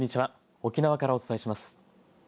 沖縄からお伝えします。